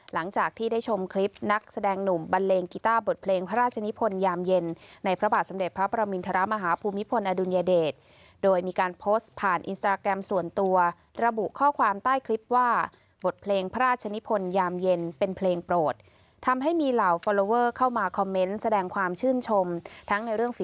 หลังจากที่ได้ชมคลิปนักแสดงหนุ่มบันเลงกีต้าบทเพลงพระราชนิพลยามเย็นในพระบาทสมเด็จพระประมินทรมาฮภูมิพลอดุลยเดชโดยมีการโพสต์ผ่านอินสตราแกรมส่วนตัวระบุข้อความใต้คลิปว่าบทเพลงพระราชนิพลยามเย็นเป็นเพลงโปรดทำให้มีเหล่าฟอลลอเวอร์เข้ามาคอมเมนต์แสดงความชื่นชมทั้งในเรื่องฝี